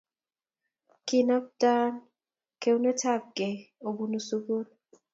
kinamtan kaunetab gei obunu sukul